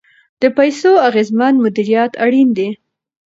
د پیسو اغیزمن مدیریت اړین دی.